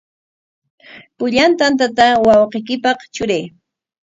Pullan tantata wawqiykipaq truray.